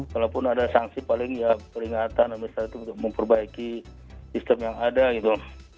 kalaupun ada sanksi paling ya peringatan administratif untuk memperbaiki sistem yang ada gitu